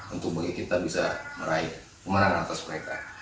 untuk bagi kita bisa meraih kemenangan atas mereka